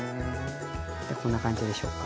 こんな感じでしょうか。